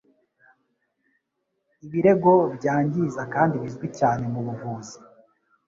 Ibirego byangiza kandi bizwi cyane mubuvuzi